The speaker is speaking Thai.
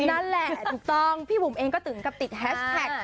นั่นแหละถูกต้องพี่บุ๋มเองก็ถึงกับติดแฮชแท็ก